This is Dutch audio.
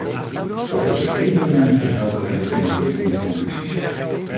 Toch is er één moment van helderheid te vinden in die conclusies.